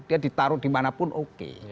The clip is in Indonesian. dia ditaruh dimanapun oke